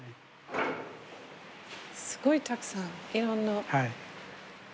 すごいたくさんいろんな。